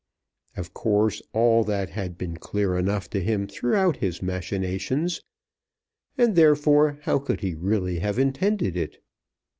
Of course all that had been clear enough to him throughout his machinations; and therefore how could he really have intended it?